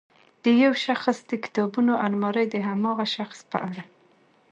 د یو شخص د کتابونو المارۍ د هماغه شخص په اړه.